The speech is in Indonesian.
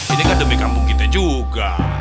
ini kan demi kampung kita juga